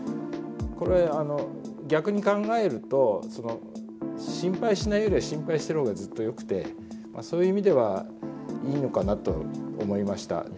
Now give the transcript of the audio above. これ逆に考えると心配しないよりは心配してる方がずっとよくてそういう意味ではいいのかなと思いました。